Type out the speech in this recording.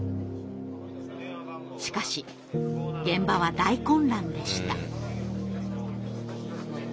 しかし現場は大混乱でした。